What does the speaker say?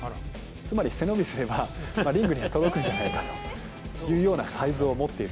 つまり、背伸びすればリングに届くんじゃないかというサイズを持っている。